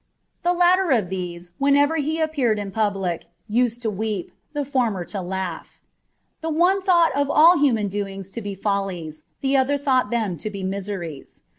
The latter of these, whenever he 282 MINOR DIALOGUES. [BK. IX. appeared in public, used to weep, the former to laugh : the one thought all human doings to be follies, the other thought them to be miseries.